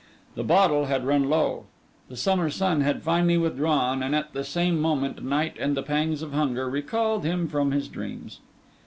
The bottle had run low; the summer sun had finally withdrawn; and at the same moment, night and the pangs of hunger recalled him from his dreams.